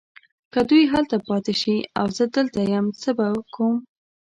که دوی هلته پاته شي او زه دلته یم څه به کوم؟